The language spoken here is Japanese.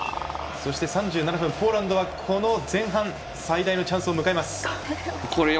そして３７分ポーランドは前半最大のチャンスを迎えます。